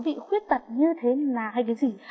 nó bị khuyết tật như thế nào hay cái gì